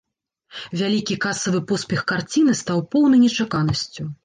Вялікі касавы поспех карціны стаў поўнай нечаканасцю.